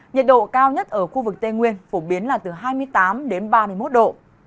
nhiệt độ cao nhất ở khu vực tây nguyên phổ biến là từ hai mươi tám đến ba mươi một độ